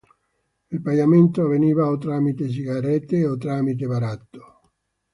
Il pagamento avveniva o tramite sigarette o tramite baratto.